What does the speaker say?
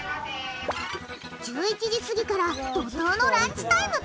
１１時過ぎから怒濤のランチタイム突入！